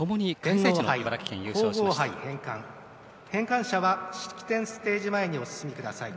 返還者は式典ステージ前にお進みください。